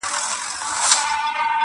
نه، نه! اور د ژوندانه سي موږ ساتلای؛